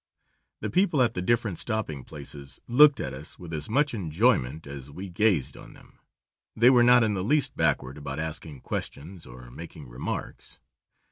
The people at the different stopping places looked at us with as much enjoyment as we gazed on them. They were not in the least backward about asking questions or making remarks.